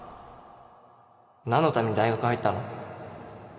何のために大学入ったの？